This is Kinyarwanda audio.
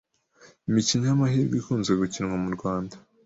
Imikino y’amahirwe ikunze gukinwa mu Rwanda